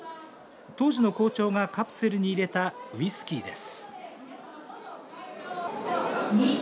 当時の校長がカプセルに入れたウイスキーです。